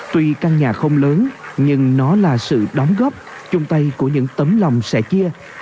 tuy căn nhà không lớn nhưng nó là sự đóng góp chung tay của những tấm lòng sẻ chia